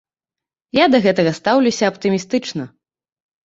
Я да гэтага стаўлюся аптымістычна.